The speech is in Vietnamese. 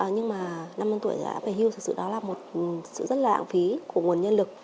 nhưng mà năm năm tuổi đã phải hưu sự đó là một sự rất là lạng phí của nguồn nhân lực